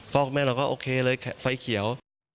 คุณแม่เราก็โอเคเลยไฟเขียว